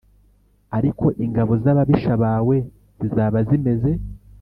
Ariko ingabo z ababisha bawe zizaba zimeze